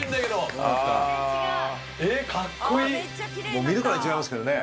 もう見るからに違いますけどね！